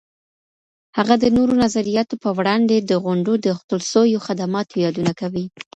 هغه د نورو نظریاتو په وړاندې د غونډو د اوښتل سویو خدماتو یادونه کوي.